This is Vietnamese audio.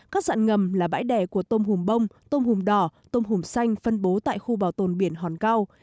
các dạng ngầm là bãi đẻ của tôm hùm bông tôm hùm đỏ tôm hùm xanh phân bố tại khu bảo tồn biển hòn cao